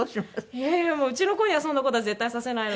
いやいやうちの子にはそんな事は絶対させないので。